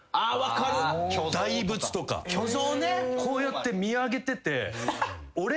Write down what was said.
こうやって見上げてて。